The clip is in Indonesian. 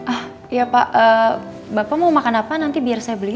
ah ya pak bapak mau makan apa nanti biar saya beli